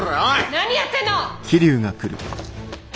何やってんの！？